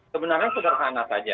sebenarnya sederhana saja